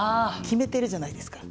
決めてるじゃないですか。